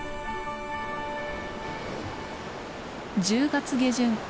１０月下旬。